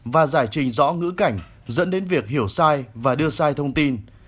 và giải trình rõ ngữ cảnh dẫn đến việc hiểu sai và đưa sai thông tin